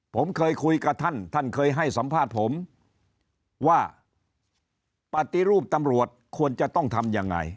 ผมเคยคุยกับท่านท่านเคยให้สัมภาษณ์ผมว่าปฏิรูปตำรวจควรจะต้องทำยังไง